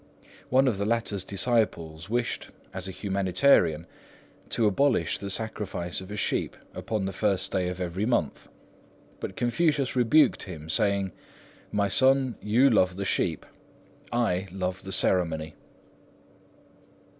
One of the latter's disciples wished, as a humanitarian, to abolish the sacrifice of a sheep upon the first day of every month; but Confucius rebuked him, saying, "My son, you love the sheep; I love the ceremony."